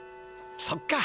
そっか。